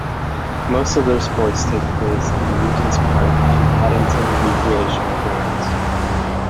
Most of their sports take place in Regent's Park and Paddington Recreational Grounds.